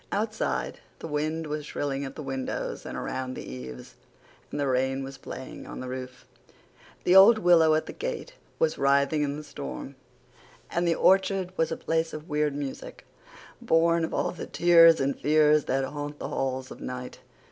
Outside, the wind was shrilling at the windows and around the eaves, and the rain was playing on the roof. The old willow at the gate was writhing in the storm and the orchard was a place of weird music, born of all the tears and fears that haunt the halls of night.